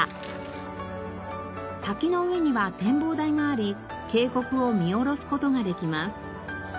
滝の上には展望台があり渓谷を見下ろす事ができます。